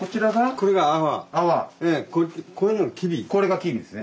これがきびですね。